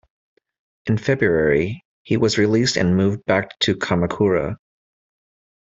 In February, he was released and moved back to Kamakura.